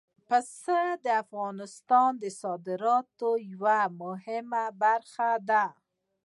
پسه د افغانستان د صادراتو یوه مهمه برخه ده.